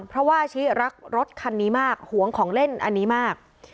เพราะว่าอาชิรักรถคันนี้มากหวงของเล่นอันนี้มาก